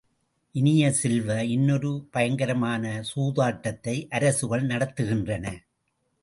இனிய செல்வ, இன்னொரு பயங்கரமான சூதாட்டத்தை அரசுகள் நடத்துகின்றன.